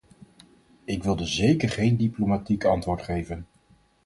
Ik wilde zeker geen diplomatiek antwoord geven.